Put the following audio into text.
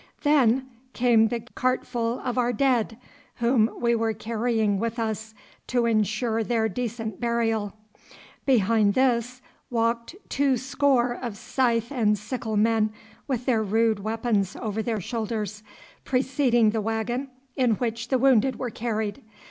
Then came the cartful of our dead, whom we were carrying with us to insure their decent burial. Behind this walked two score of scythe and sickle men, with their rude weapons over their shoulders, preceding the waggon in which the wounded were carried.